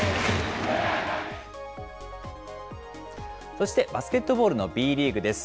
そしてバスケットボールのＢリーグです。